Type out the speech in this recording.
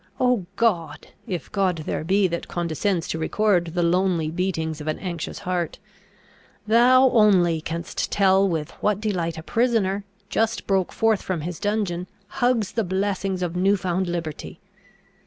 Oh, God! (if God there be that condescends to record the lonely beatings of an anxious heart) thou only canst tell with what delight a prisoner, just broke forth from his dungeon, hugs the blessings of new found liberty!